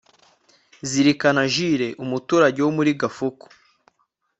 zirikana jules umuturage wo muri gafuku